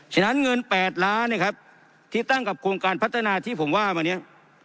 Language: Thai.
ฉะนั้นเงิน๘ล้านนะครับที่ตั้งกับโครงการพัฒนาที่ผมว่ามาเนี่ย